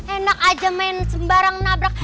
enak aja main sembarang nabrak